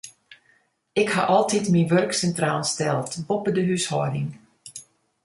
Ik ha altyd myn wurk sintraal steld, boppe de húshâlding.